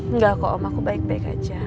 enggak kok om aku baik baik aja